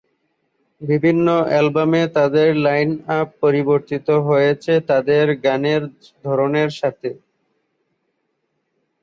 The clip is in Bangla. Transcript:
বিভিন্ন অ্যালবামে তাদের লাইন-আপ পরিবর্তিত হয়েছে তাদের গানের ধরনের সাথে।